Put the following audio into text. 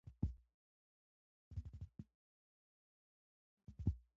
ډیجیټل بانکوالي د افغانستان لپاره یو لوی فرصت دی۔